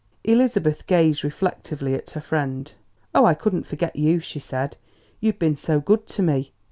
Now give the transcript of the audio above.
Elizabeth gazed reflectively at her friend. "Oh, I couldn't forget you," she said; "you've been so good to me.